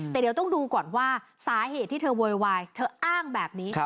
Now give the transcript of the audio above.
แต่เดี๋ยวต้องดูก่อนว่าสาเหตุที่เธอโวยวายเธออ้างแบบนี้